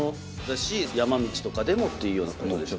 だし山道とかでもっていうようなことでしょ？